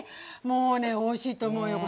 もうねおいしいと思うよ